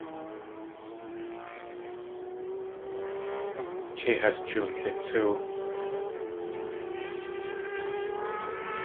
Kei has jiwlitsóow.